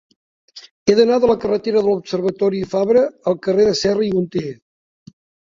He d'anar de la carretera de l'Observatori Fabra al carrer de Serra i Hunter.